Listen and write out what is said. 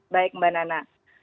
baik mbak nana